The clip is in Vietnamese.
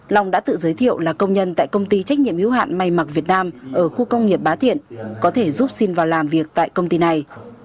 long đã tự giới thiệu là công nhân tại công ty trách nhiệm hiếu hạn may mặc việt nam ở khu công nghiệp bá thiện có thể giúp xin vào làm việc tại công ty này